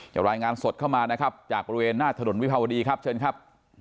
รายงานสดเข้ามานะครับจากบริเวณหน้าถนนวิภาวดีครับเชิญครับ